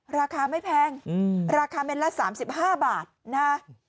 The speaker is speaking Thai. ราคาไม่แพงราคาเม็ดละ๓๕บาทนะฮะ